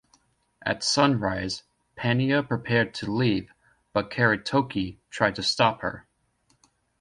At sunrise, Pania prepared to leave but Karitoki tried to stop her.